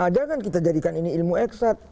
jangan kita jadikan ini ilmu eksat